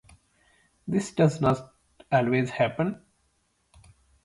This does not always happen.